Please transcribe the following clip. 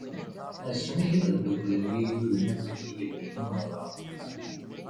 Asmi ara dduklen yigduden akked tgeldiwin merra.